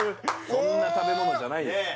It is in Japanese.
そんな食べ物じゃないよ